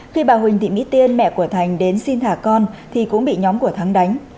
khi bà huỳnh thị mỹ tiên mẹ của thành đến xin thả con thì cũng bị nhóm của thắng đánh